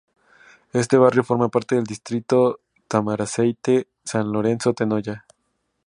Este barrio forma parte del distrito Tamaraceite-San Lorenzo-Tenoya.